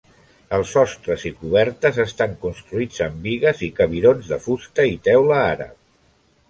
Els sostres i cobertes estan construïts amb bigues i cabirons de fusta i teula àrab.